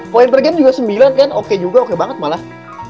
poin per game juga sembilan kan oke juga oke banget malah